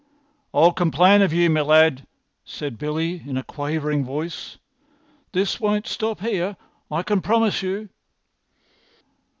"I'll complain of you, my lad," said Billy, in a quivering voice. "This won't stop here, I can promise you."